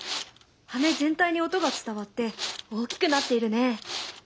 羽全体に音が伝わって大きくなっているね。